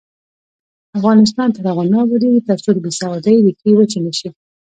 افغانستان تر هغو نه ابادیږي، ترڅو د بې سوادۍ ریښې وچې نشي.